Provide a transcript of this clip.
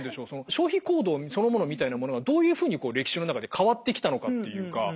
消費行動そのものみたいなものがどういうふうに歴史の中で変わってきたのかっていうか。